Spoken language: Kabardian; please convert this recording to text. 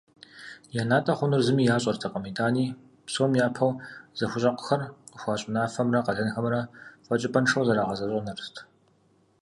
Я натӀэ хъунур зыми ящӀэртэкъым, итӀани псом япэу зыхущӀэкъухэр къыхуащӀ унафэмрэ къалэнхэмрэ фэкӀыпӀэншэу зэрагъэзэщӀэнырт.